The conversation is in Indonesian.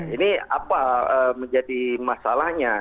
ini apa menjadi masalahnya